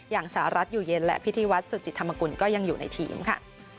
อย่างสหรัฐอยู่เย็นและพิธีวัฒนสุจิตธรรมกุลก็ยังอยู่ในทีมค่ะ